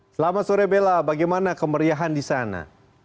selamat sore bella bagaimana kemeriahan di sana